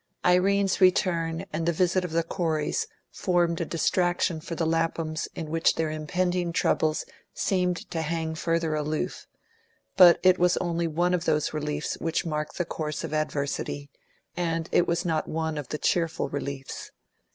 Irene's return and the visit of the Coreys formed a distraction for the Laphams in which their impending troubles seemed to hang further aloof; but it was only one of those reliefs which mark the course of adversity, and it was not one of the cheerful reliefs.